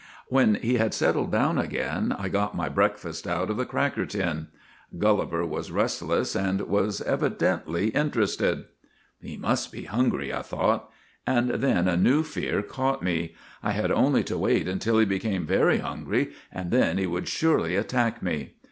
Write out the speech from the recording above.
When he had settled down again I got my breakfast out of the cracker tin. Gulli ver was restless, and was evidently interested. 1 ' He must be hungry,* I thought, and then a new fear caught me. I had only to wait until he became very hungry and then he would surely attack me.